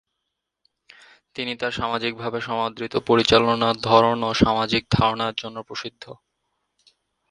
তিনি তার সামাজিকভাবে সমাদৃত পরিচালনার ধরন ও সামাজিক ধারণার জন্য প্রসিদ্ধ।